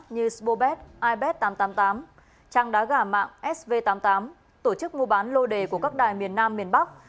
như smobet ib tám trăm tám mươi tám trang đá gà mạng sv tám mươi tám tổ chức mua bán lô đề của các đài miền nam miền bắc